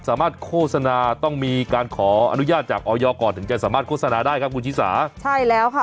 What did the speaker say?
โฆษณาต้องมีการขออนุญาตจากออยก่อนถึงจะสามารถโฆษณาได้ครับคุณชิสาใช่แล้วค่ะ